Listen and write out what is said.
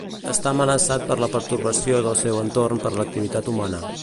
Està amenaçat per la pertorbació del seu entorn per l'activitat humana.